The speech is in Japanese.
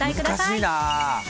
難しいな。